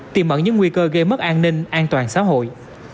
tiềm mận những nguy cơ gây mất an ninh an toàn xã hội